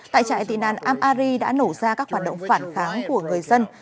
tại trại tị nàn amari đã nổ ra các hoạt động phản kháng của người dân